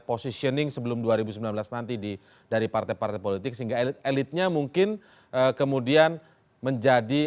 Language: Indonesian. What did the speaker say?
positioning sebelum dua ribu sembilan belas nanti dari partai partai politik sehingga elit elitnya mungkin kemudian menjadi